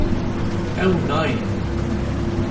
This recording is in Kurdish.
Ew nayên